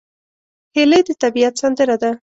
هیلۍ د طبیعت سندره ده